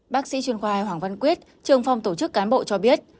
bác sĩ chuyên khoa hoàng văn quyết trường phòng tổ chức cán bộ cho biết